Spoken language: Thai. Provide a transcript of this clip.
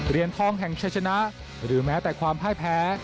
เหรียญทองแห่งชัยชนะหรือแม้แต่ความพ่ายแพ้